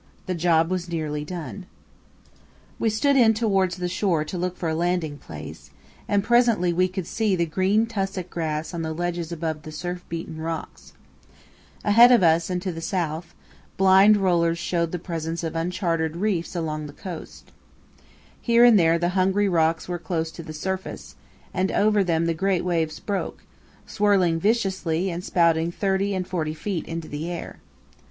The job was nearly done. [Illustration: In Sight of our Goal: Nearing South Georgia] [Illustration: Landing on South Georgia] We stood in towards the shore to look for a landing place, and presently we could see the green tussock grass on the ledges above the surf beaten rocks. Ahead of us and to the south, blind rollers showed the presence of uncharted reefs along the coast. Here and there the hungry rocks were close to the surface, and over them the great waves broke, swirling viciously and spouting thirty and forty feet into the air.